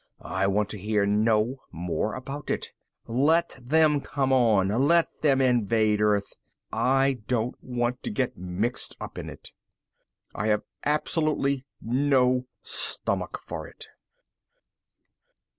I want to hear no more about it. Let them come on. Let them invade Earth. I don't want to get mixed up in it. I have absolutely no stomach for it.